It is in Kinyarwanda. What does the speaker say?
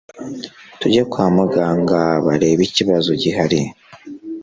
tujye kwa muganga barebe ikibazo gihari